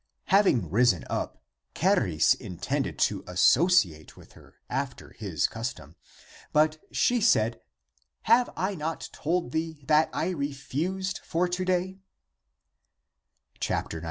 Having risen up, Charis intended to as sociate with her after his custom. But she said, " Have I not told thee, that I refused for to day? " 91.